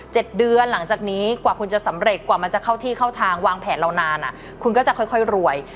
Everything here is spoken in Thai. เดือนหลังจากนี้กว่าคุณจะสำเร็จกว่ามันจะเข้าที่เข้าทางวางแผนเรานานอ่ะคุณก็จะค่อยค่อยรวย